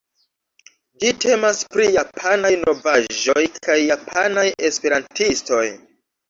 Ĝi temas pri Japanaj novaĵoj kaj japanaj esperantistoj.